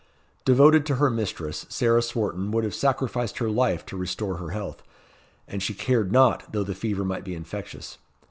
Devoted to her mistress, Sarah Swarton would have sacrificed her life to restore her to health; and she cared not though the fever might be infectious.